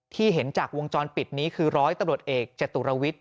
เห็นจากวงจรปิดนี้คือร้อยตำรวจเอกจตุรวิทย